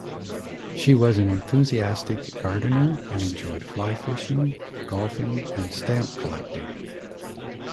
She was an enthusiastic gardener, and enjoyed fly-fishing, golfing, and stamp collecting.